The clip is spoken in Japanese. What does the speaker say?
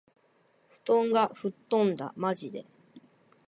布団が吹っ飛んだ。（まじで）